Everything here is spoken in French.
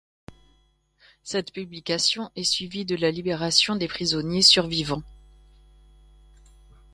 Cette publication est suivie de la libération des prisonniers survivants.